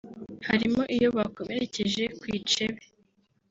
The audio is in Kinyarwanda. harimo iyo bakomerekeje ku icebe